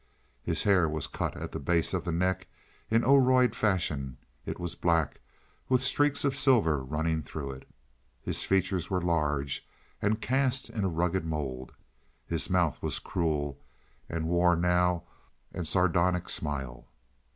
His hair was cut at the base of the neck in Oroid fashion; it was black, with streaks of silver running through it. His features were large and cast in a rugged mold. His mouth was cruel, and wore now a sardonic smile.